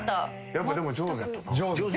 やっぱでも上手やったな。